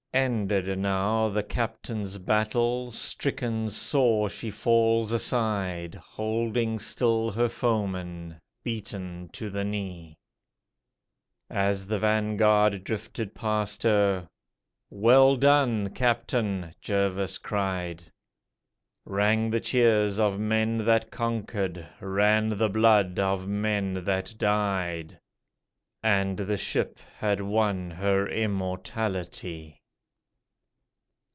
Ended now the "Captain"'s battle, stricken sore she falls aside Holding still her foemen, beaten to the knee: As the 'Vanguard' drifted past her, "Well done, 'Captain'," Jervis cried, Rang the cheers of men that conquered, ran the blood of men that died, And the ship had won her immortality.